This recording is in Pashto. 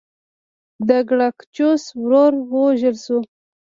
د ګراکچوس ورور ووژل شو.